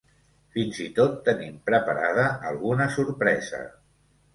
Fins i tot tenim preparada alguna sorpresa.